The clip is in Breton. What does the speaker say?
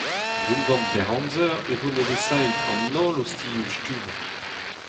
Dindan berr amzer e voe nevesaet an holl ostilhoù stummañ.